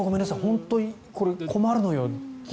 本当に困るのよって。